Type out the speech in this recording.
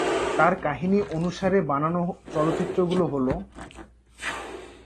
তার কাহিনী অনুসারে বানানো চলচ্চিত্রগুলি হলঃ